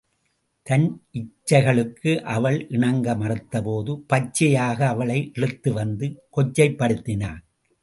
தன் இச்சைகளுக்கு அவள் இணங்க மறுத்தபோது பச்சையாக அவளை இழுத்து வந்து கொச்சைப்படுத்தினான்.